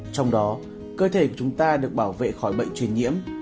trong đó cơ thể của chúng ta được bảo vệ khỏi bệnh truyền nhiễm